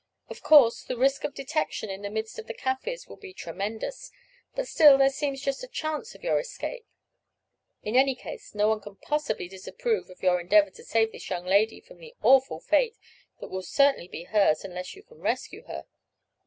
"Of course the risk of detection in the midst of the Kaffirs will be tremendous, but still there seems just a chance of your escape. In any case no one can possibly disapprove of your endeavour to save this young lady from the awful fate that will certainly be hers unless you can rescue her.